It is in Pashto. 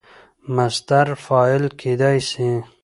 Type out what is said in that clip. مصدر فاعل کېدای سي.